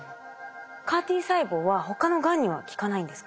ＣＡＲ−Ｔ細胞は他のがんには効かないんですか？